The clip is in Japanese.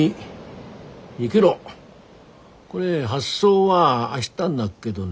これ発送は明日になっけどね。